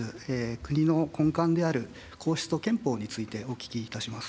国の根幹である皇室と憲法についてお聞きいたします。